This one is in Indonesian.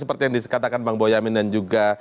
seperti yang dikatakan bang boyamin dan juga